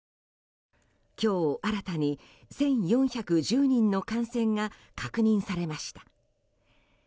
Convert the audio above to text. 今日新たに１４１０人の感染が確認されました。